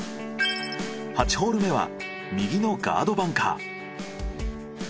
８ホール目は右のガードバンカー。